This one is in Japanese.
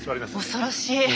恐ろしい！